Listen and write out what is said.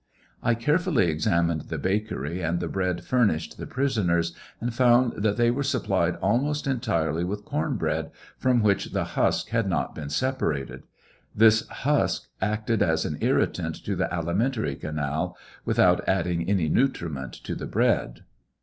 I carefully examined the bakery and the bread furnished the prisoners, and found that the were supplied almost entirely with corn bread, from which the husk had not been separated This husk acted as an irritant to the alimentary canal, without adding any nutriment to th bread.